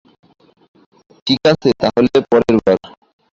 ঠিকাছে, তাহলে পরেরবার!